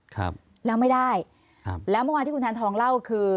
ครับแล้วไม่ได้ครับแล้วเมื่อวานที่คุณแทนทองเล่าคือ